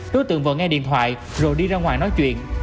đối tượng vừa nghe điện thoại rồi đi ra ngoài nói chuyện